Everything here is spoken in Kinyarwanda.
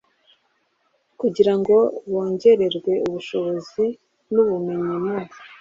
kugira ngo bongererwe ubushobozi n ubumenyi mu